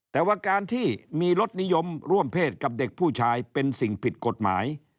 แต่ว่าการที่มีรสนิยมร่วมเพศกับเด็กผู้ชายเป็นสิ่งผิดกฎหมาย